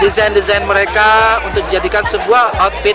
desain desain mereka untuk dijadikan sebuah desain yang sangat menarik